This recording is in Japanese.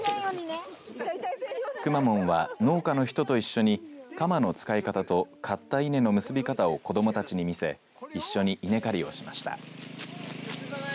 くまモンは農家の人と一緒に鎌の使い方と刈った稲の結び方を子どもたちに見せ一緒に稲刈りをしました。